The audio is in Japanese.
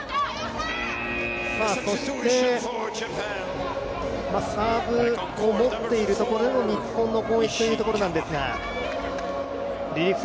そして、サーブを持っているところでの日本の攻撃というところなんですがリリーフ